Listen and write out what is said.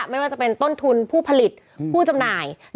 ไม่ว่าจะเป็นต้นทุนผู้ผลิตผู้จำหน่าย